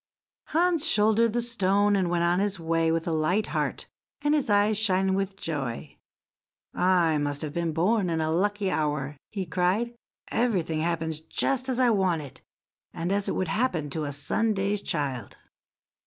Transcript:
Hans shouldered the stone, and went on his way with a light heart, and his eyes shining with joy. "I must have been born in a lucky hour!" he cried; "everything happens just as I want it, and as it would happen to a Sunday's child."